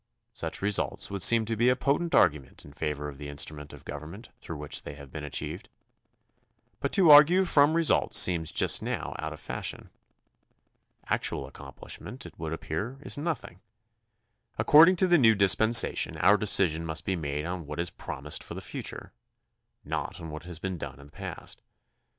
Such results would seem to be a potent argument in favor of the instrument of government through which they have been achieved. But to argue from results seems just now out of fashion. Actual accomplishment, it would appear, is nothing. According to the new dispensation our decision must be made on what is promised for the future, not on what has been done in the past.